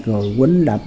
rồi quýnh đập